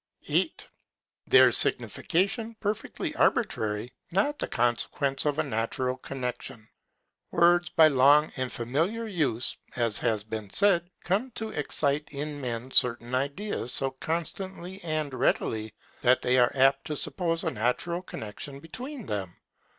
8. Their Signification perfectly arbitrary, not the consequence of a natural connexion. Words, by long and familiar use, as has been said, come to excite in men certain ideas so constantly and readily, that they are apt to suppose a natural connexion between them.